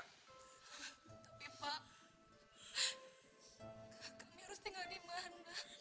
tapi pak kami harus tinggal di mana